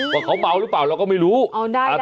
ว่าเขาเมาหรือเปล่าเราก็ไม่รู้อ๋อได้ได้ได้